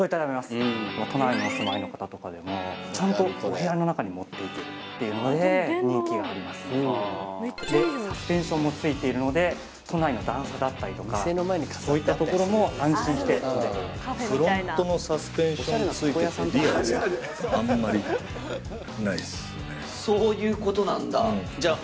都内にお住まいの方とかでもちゃんとお部屋の中に持っていけるっていうので人気がありますねサスペンションもついているので都内の段差だったりとかそういった所も安心して乗れるっていうそういうことなんだじゃあ